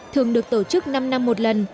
thường được tổ chức năm năm một lần